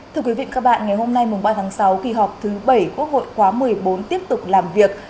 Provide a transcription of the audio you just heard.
thưa quý vị và các bạn ngày hôm nay mùng ba tháng sáu kỳ họp thứ bảy quốc hội quá một mươi bốn tiếp tục làm việc